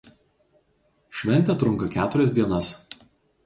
Šventė trunka keturias dienas.